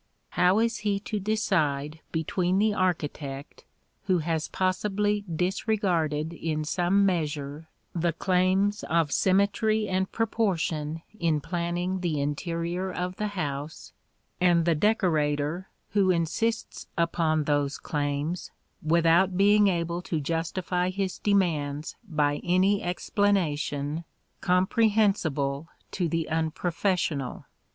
How is he to decide between the architect, who has possibly disregarded in some measure the claims of symmetry and proportion in planning the interior of the house, and the decorator who insists upon those claims without being able to justify his demands by any explanation comprehensible to the unprofessional?